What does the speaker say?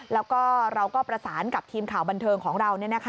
แล้วก็เราก็ประสานกับทีมข่าวบันเทิงของเรา